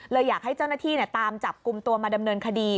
อยากให้เจ้าหน้าที่ตามจับกลุ่มตัวมาดำเนินคดี